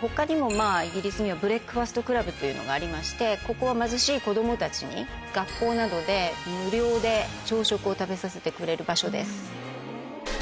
他にもイギリスには。というのがありましてここは貧しい子供たちに学校などで無料で朝食を食べさせてくれる場所です。